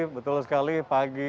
betul sekali pagi